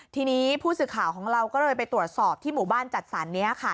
ทีนี้ผู้สื่อข่าวของเราก็เลยไปตรวจสอบที่หมู่บ้านจัดสรรนี้ค่ะ